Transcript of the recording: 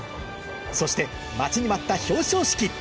そして待ちに待った表彰式